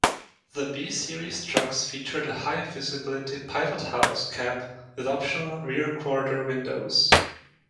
The B Series trucks featured a high-visibility "pilot-house" cab with optional rear quarter windows.